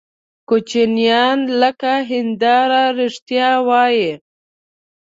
کوچنیان لکه هنداره رښتیا وایي.